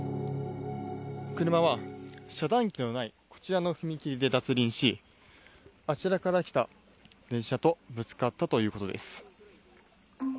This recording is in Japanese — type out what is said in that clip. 車は遮断機のないこちらの踏切で脱輪しあちらから来た列車とぶつかったということです。